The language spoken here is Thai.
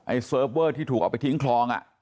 เซิร์ฟเวอร์ที่ถูกเอาไปทิ้งคลอง